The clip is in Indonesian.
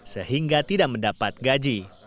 sehingga tidak mendapat gaji